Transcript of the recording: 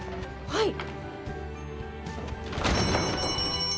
はい！